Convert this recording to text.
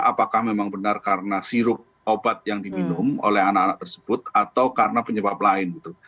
apakah memang benar karena sirup obat yang diminum oleh anak anak tersebut atau karena penyebab lain gitu